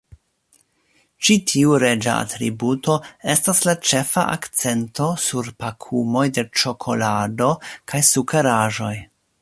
Ĉi tiu reĝa atributo estas la ĉefa akcento sur pakumoj de ĉokolado kaj sukeraĵoj.